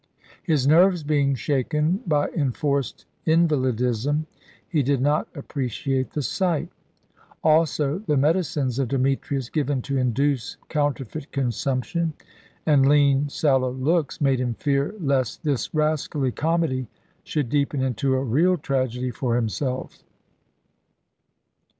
His nerves being shaken by enforced invalidism, he did not appreciate the sight. Also, the medicines of Demetrius, given to induce counterfeit consumption and lean, sallow looks, made him fear lest this rascally comedy should deepen into a real tragedy for himself.